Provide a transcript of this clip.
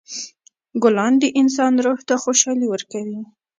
ګلان د انسان روح ته خوشحالي ورکوي.